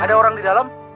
ada orang di dalam